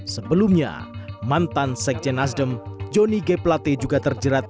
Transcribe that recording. sebelumnya mantan sekjen nasdem joni g plate juga terjerat